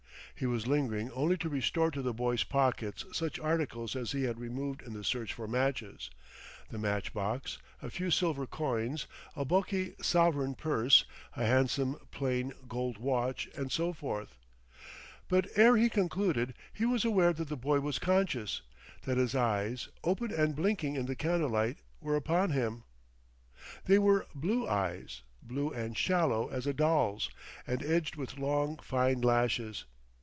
He was lingering only to restore to the boy's pockets such articles as he had removed in the search for matches, the match box, a few silver coins, a bulky sovereign purse, a handsome, plain gold watch, and so forth. But ere he concluded he was aware that the boy was conscious, that his eyes, open and blinking in the candlelight, were upon him. They were blue eyes, blue and shallow as a doll's, and edged with long, fine lashes.